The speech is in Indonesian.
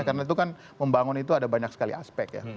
karena itu kan membangun itu ada banyak sekali aspek ya